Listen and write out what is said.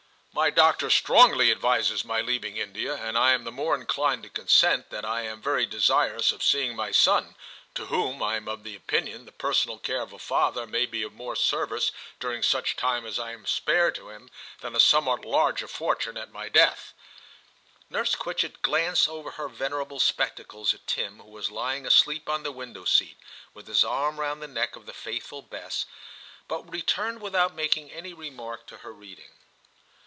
My doctor strongly advises my leaving India, and I am the more inclined to consent that I am very desirous of seeing my son, to whom I am of opinion that the personal care of a father may be of more service during such time as I am spared to him, than a somewhat larger fortune at my death/ Nurse Quitchett glanced over her ven erable spectacles at Tim, who was lying asleep on the window seat, with his arm round the neck of the faithful Bess, but returned without making any remark to her reading.